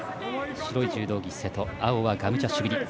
白い柔道着、瀬戸青がガムジャシュビリ。